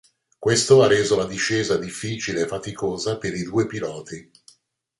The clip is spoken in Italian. Questo ha reso la discesa difficile e faticosa per i due piloti.